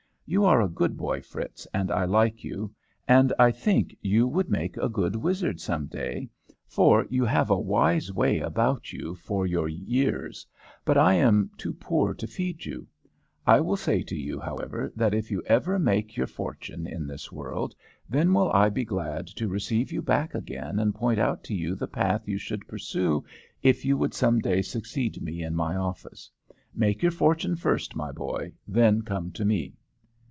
'You are a good boy, Fritz, and I like you, and I think you would make a good wizard some day, for you have a wise way about you for your years, but I am too poor to feed you. I will say to you, however, that if you ever make your fortune in this world, then will I be glad to receive you back again and point out to you the path you should pursue if you would some day succeed me in my office. Make your fortune first, my boy, then come to me.'